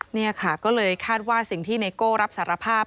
นี่ค่ะก็เลยคาดว่าสิ่งที่ไนโก้รับสารภาพ